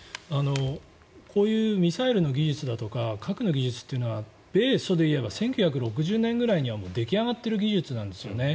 こういうミサイルの技術だとか核の技術というのは米ソでいえば１９６０年ぐらいにはもう出来上がっている技術なんですよね。